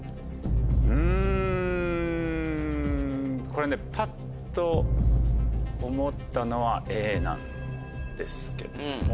これねパッと思ったのはＡなんですけども。